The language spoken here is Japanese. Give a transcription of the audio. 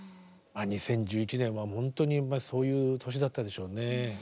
まあ２０１１年はもう本当にそういう年だったでしょうね。